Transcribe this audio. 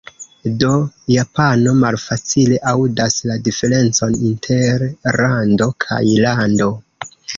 Do japano malfacile aŭdas la diferencon inter "rando" kaj "lando".